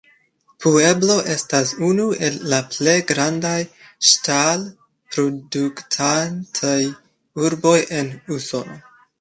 Pueblo estas unu el la plej grandaj ŝtal-produktantaj urboj en Usono.